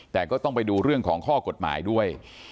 แต่ก็ต้องไปดูเรื่องของข้อกฎหมายด้วย